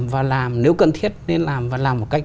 và làm nếu cần thiết nên làm và làm một cách